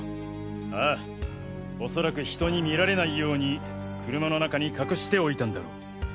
ああおそらく人に見られないように車の中に隠しておいたんだろう。